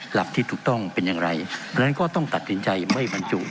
หลักที่ถูกต้องเป็นอย่างไรดังนั้นก็ต้องตัดสินใจไม่บรรจุ